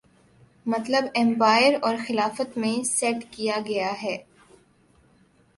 مطلب ایمپائر اور خلافت میں سیٹ کیا گیا ہے